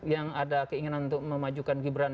yang ada keinginan untuk memajukan gibran